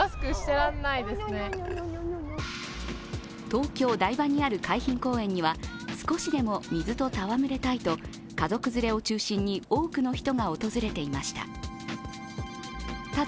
東京・台場にある海浜公園には少しでも水とたわむれたいと家族連れを中心に多くの人が訪れていました。